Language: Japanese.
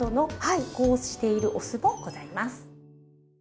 加工しているお酢もございます。